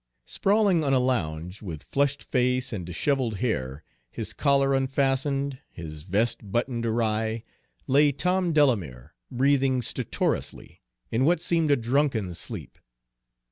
Sprawling on a lounge, with flushed face and disheveled hair, his collar unfastened, his vest buttoned awry, lay Tom Delamere, breathing stertorously, in what seemed a drunken sleep.